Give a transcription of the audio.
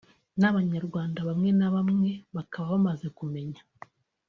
n’abanyarwanda bamwe na bamwe bakaba bamaze kumenya